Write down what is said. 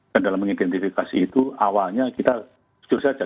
dan dalam mengidentifikasi itu awalnya kita setuju saja